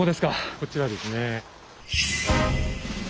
こちらですね。